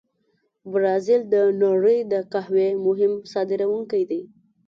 برازیل د نړۍ د قهوې مهم صادرونکي دي.